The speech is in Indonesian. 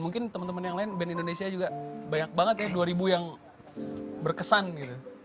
mungkin teman teman yang lain band indonesia juga banyak banget ya dua ribu yang berkesan gitu